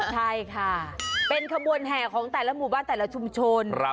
ใช่ค่ะเป็นขบวนแห่ของแต่ละหมู่บ้านแต่ละชุมชน